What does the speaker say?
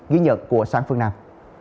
ghi nhận của sáng phương nam